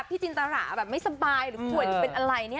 พี่จินตาร่ว่าอ่ะไม่สบายส่วยเป็นอะไร